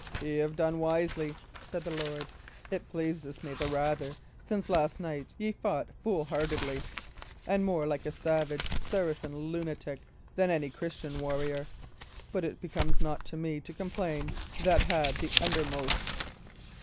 "Y' 'ave done wisely," said the lord. "It pleaseth me the rather, since last night ye fought foolhardily, and more like a salvage Saracen lunatic than any Christian warrior. But it becomes not me to complain that had the undermost."